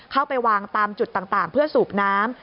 เข้าไปวางตามจุดต่างเพื่อสูบน้ำ